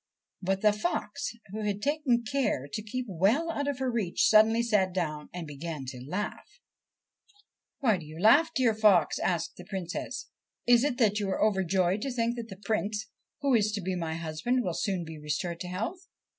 But the fox, who had taken care to keep well out of her reach, suddenly sat down and began to laugh. ' Why do you laugh, dear fox ?' asked the Princess. ' Is it that you are overjoyed to think that the Prince who is to be my husband will soon be restored to health